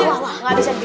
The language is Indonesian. wah wah wah gak bisa dia